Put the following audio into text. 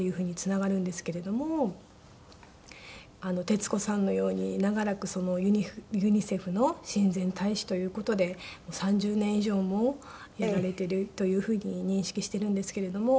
徹子さんのように長らくユニセフの親善大使という事で３０年以上もやられているというふうに認識しているんですけれども。